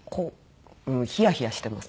ヒヤヒヤしてます